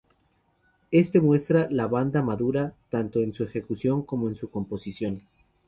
Este muestra la banda madura, tanto en su ejecución como en su composición.